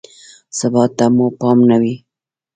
ثبات ته مو پام نه وي.